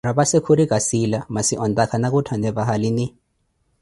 Raphassi khuri kâssila, maassi ontaka na kuthane vahaline?